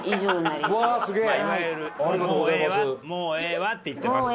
「いわゆる“もうええわ”って言ってます」。